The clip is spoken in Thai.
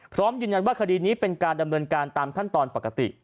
พร้อมยืนยันว่าคดีนี้เป็นการดำเนินการตามขั้นตอนปกติ